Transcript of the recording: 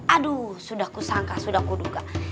aduh sudah kusangka sudah kuduga